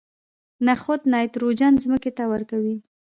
نخود نایتروجن ځمکې ته ورکوي.